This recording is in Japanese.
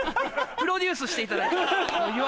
プロデュースしていただいて。